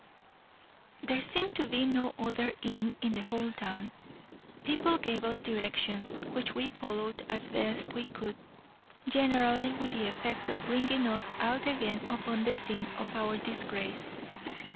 There seemed to be no other inn in the whole town. People gave us directions, which we followed as best we could, generally with the effect of bringing us out again upon the scene of our disgrace.